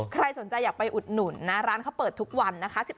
ใครสนใจอยากไปอุดหนุนนะร้านเขาเปิดทุกวันนะคะ